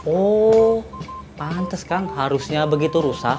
oh pantes kang harusnya begitu rusak